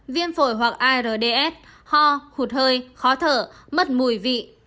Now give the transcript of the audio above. viêm phổi hoặc ards ho hụt hơi khó thở mất mùi vị